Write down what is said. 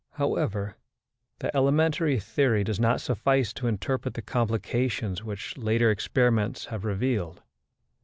However, the elementary theory does not suffice to interpret the complications which later experiments have revealed.